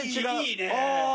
いいね。